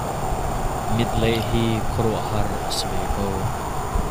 Mitleh hi khuaruahhar a si ve ko.